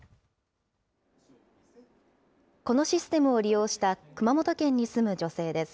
このシステムを利用した熊本県に住む女性です。